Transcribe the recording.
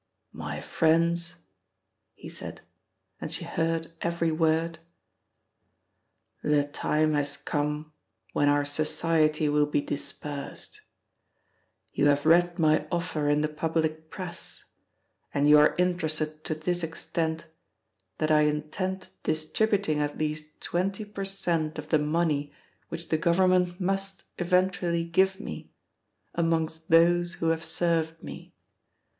"My friends," he said, and she heard every word, "the time has come when our society will be dispersed. You have read my offer in the public press; and you are interested to this extent, that I intend distributing at least twenty per cent. of the money which the Government must eventually give me amongst those who have served me.